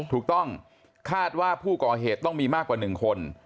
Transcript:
ถูกต้องคาดว่าผู้ก่อเหตุต้องมีมากกว่า๑คน